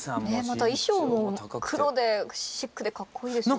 また衣装も黒でシックでかっこいいですよね。